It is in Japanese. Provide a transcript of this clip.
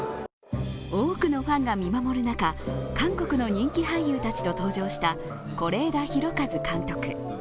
多くのファンが見守る中、韓国の人気俳優たちと登場した是枝裕和監督。